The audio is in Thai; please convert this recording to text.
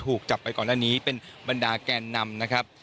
ที่ถูกจับไปก่อนหน้านี้เป็นบรรดาแกลนำ